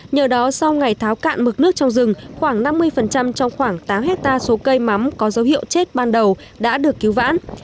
nhờ đó sau ngày tháo cạn mực nước trong rừng khoảng năm mươi trong khoảng tám hectare số cây mắm có dấu hiệu chết ban đầu đã được cứu vãn